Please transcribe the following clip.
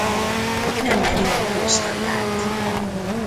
Emeli a prosztatát.